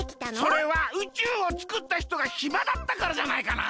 それは宇宙をつくった人がひまだったからじゃないかなあ。